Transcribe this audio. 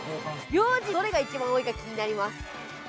名字どれが一番多いか気になります。